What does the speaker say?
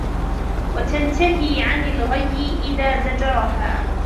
وَتَنْتَهِيَ عَنْ الْغَيِّ إذَا زَجَرَهَا